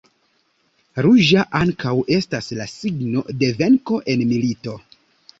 Ruĝa ankaŭ estas la signo de venko en milito.